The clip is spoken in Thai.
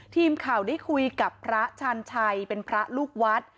ทีมข่าวได้คุยกับพระชาญชัยเป็นพระลูกวัด